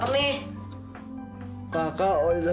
pastinya terlalu kurang